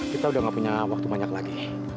kita udah gak punya waktu banyak lagi